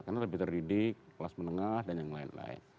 karena lebih terdidik kelas menengah dan yang lain lain